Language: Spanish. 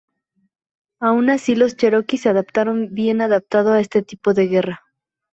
Aun así los cheroquis se adaptaron bien adaptado a ese tipo de guerra.